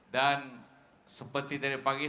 dan seperti tadi pagi